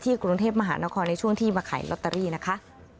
กรุงเทพมหานครในช่วงที่มาขายลอตเตอรี่นะคะ